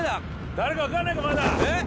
誰かわかんないかまだえっ？